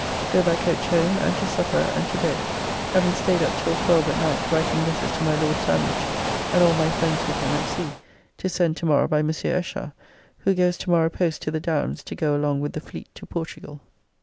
So by coach home, and to supper, and to bed, having staid up till 12 at night writing letters to my Lord Sandwich and all my friends with him at sea, to send to morrow by Mons. Eschar, who goes tomorrow post to the Downs to go along with the fleet to Portugall.